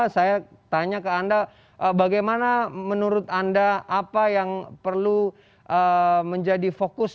saya tanya ke anda bagaimana menurut anda apa yang perlu menjadi fokus